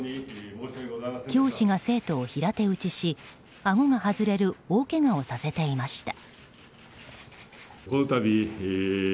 教師が生徒を平手打ちしあごが外れる大けがをさせていました。